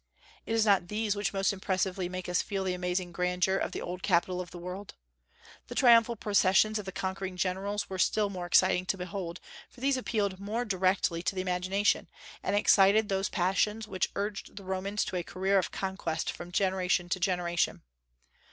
It is not these which most impressively make us feel the amazing grandeur of the old capital of the world. The triumphal processions of the conquering generals were still more exciting to behold, for these appealed more directly to the imagination, and excited those passions which urged the Romans to a career of conquest from generation to generation.